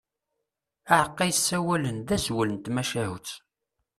Aεeqqa yessawalen, d azwel n tmacahut.